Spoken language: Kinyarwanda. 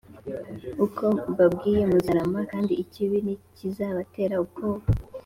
uko mbabwiye muzarama kandi ikibi ntikizabatera ubwoba.